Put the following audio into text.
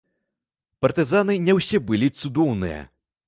Партызаны не ўсе былі цудоўныя.